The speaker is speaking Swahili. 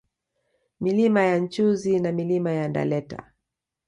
Milima ya Nchuzi na Milima ya Ndaleta